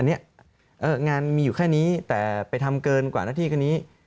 อันนี้งานมีอยู่แค่นี้แต่ไปทำเกินกว่าหน้าที่แค่นี้